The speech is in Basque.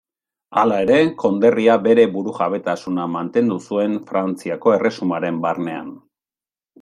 Hala ere, konderria bere burujabetasuna mantendu zuen Frantziako erresumaren barnean.